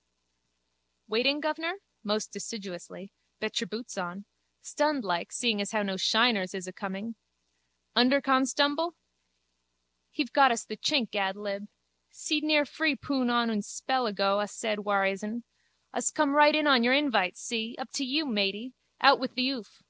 _ Waiting, guvnor? Most deciduously. Bet your boots on. Stunned like, seeing as how no shiners is acoming. Underconstumble? He've got the chink ad lib. Seed near free poun on un a spell ago a said war hisn. Us come right in on your invite, see? Up to you, matey. Out with the oof.